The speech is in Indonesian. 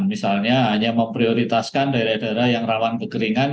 misalnya hanya memprioritaskan daerah daerah yang rawan kekeringan